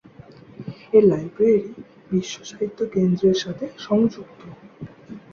এর লাইব্রেরী বিশ্ব সাহিত্য কেন্দ্রের সাথে সংযুক্ত।